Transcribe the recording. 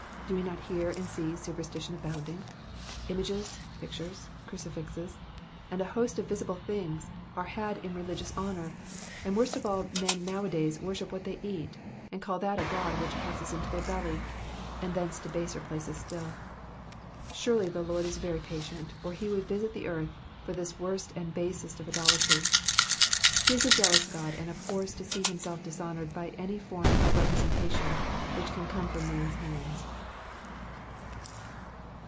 Do we not hear and sec superstition abounding. Images, pictures, crucifixes, and a host of visible things are had in religious hon(mr, and worst of all men now a days worship what they eat, and call that a God which passes into their belly, and thence into baser places still. Surely the Lord is very patient, or he would visit the earth for this worst and basest of idolatry. Ho is a jealous God, and abhors to see himself dishonoured by any form of representation which can come from maa^s hands.